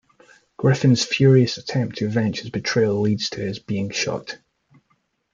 Griffin's furious attempt to avenge his betrayal leads to his being shot.